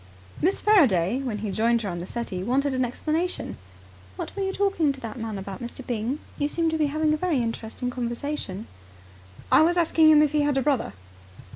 Miss Faraday, when he joined her on the settee, wanted an explanation. "What were you talking to that man about, Mr. Byng? You seemed to be having a very interesting conversation." "I was asking him if he had a brother."